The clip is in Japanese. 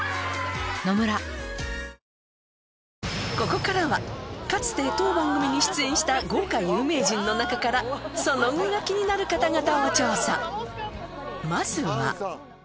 ここからはかつて当番組に出演した豪華有名人の中からその後が気になる方々を調査